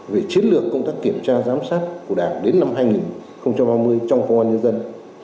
về chiến lược công tác kiểm tra giám sát của đảng đến năm hai nghìn ba mươi trong công an nhân dân